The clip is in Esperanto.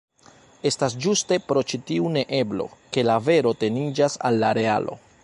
Estas ĝuste pro ĉi tiu neeblo, ke la vero teniĝas al la realo.